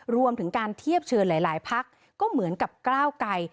รวมถึงการเทียบเชิญหลายพักก็เหมือนกับก้าวไกร